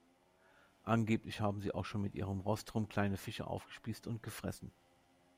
Angeblich haben sie auch schon mit ihrem Rostrum kleine Fische aufgespießt und gefressen.